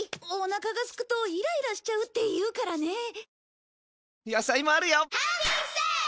おなかがすくとイライラしちゃうっていうからね。